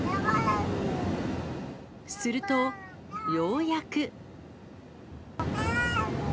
すると、ようやく。